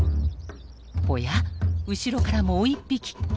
おや後ろからもう１匹。